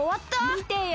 みてよ